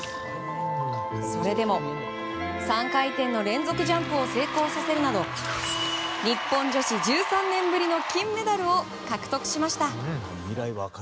それでも３回転の連続ジャンプを成功させるなど日本女子１３年ぶりの金メダルを獲得しました。